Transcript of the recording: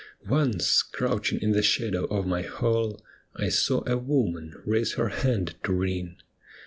Once, crouching in the shadow of my hall I saw a woman raise her hand to ring.